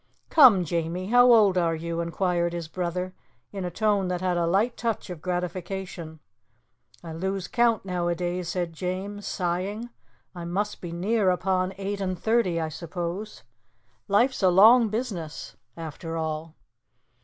"Come, Jamie, how old are you?" inquired his brother in a tone that had a light touch of gratification. "I lose count nowadays," said James, sighing. "I must be near upon eight and thirty, I suppose. Life's a long business, after all."